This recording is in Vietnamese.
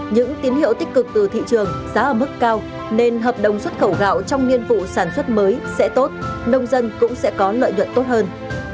những tín hiệu tích cực từ thị trường giá ở mức cao nên hợp đồng xuất khẩu gạo trong niên vụ sản xuất mới sẽ tốt nông dân cũng sẽ có lợi nhuận tốt hơn